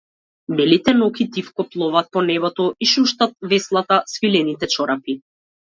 Белите ноќи тивко пловат по небото, и шуштат веслата, свилените чорапи.